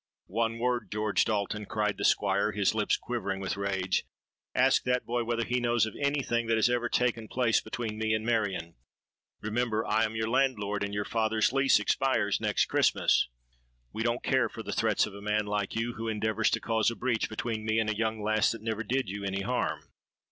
'—'One word, George Dalton!' cried the Squire, his lips quivering with rage. 'Ask that boy whether he knows of any thing that has ever taken place between me and Marion. Remember, I am your landlord; and your father's lease expires next Christmas.'—'We don't care for the threats of a man like you, who endeavours to cause a breach between me and a young lass that never did you any harm.'